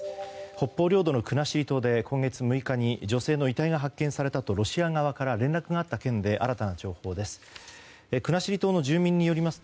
北方領土の国後島で今月６日に女性の遺体が発見されたとロシア側から連絡があった件で新たな情報です。